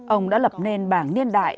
ông đã lập nên bảng niên đại